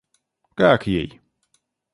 Как ей?